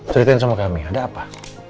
ceritain sama kami ada apa